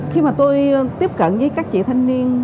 khi mà tôi tiếp cận với các chị thanh niên